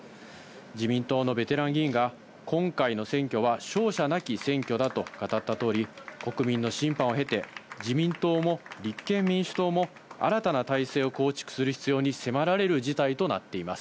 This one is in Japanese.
自民党のベテラン議員が、今回の選挙は勝者なき選挙だと語ったとおり、国民の審判を経て、自民党も立憲民主党も新たな体制を構築する必要に迫られる事態となっています。